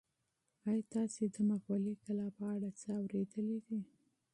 ایا تاسي د مغولي کلا په اړه څه اورېدلي دي؟